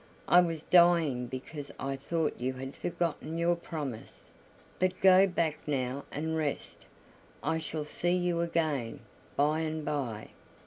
I was dying because I thought you had forgotten your promise. But go back now and rest, I shall see you again by and by."